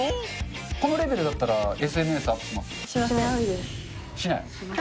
このレベルだったらＳＮＳアしない。